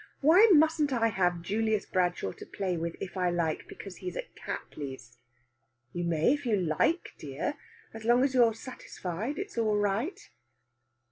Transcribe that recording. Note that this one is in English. Why mustn't I have Julius Bradshaw to play with if I like because he's at Cattley's?" "You may, if you like, dear! As long as you're satisfied, it's all right."